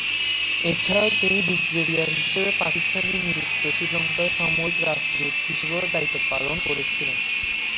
এছাড়াও তিনি ব্রিগেডিয়ার হিসেবে পাকিস্তানে নিযুক্ত শ্রীলঙ্কার সামরিক রাষ্ট্রদূত হিসেবেও দায়িত্ব পালন করেছিলেন।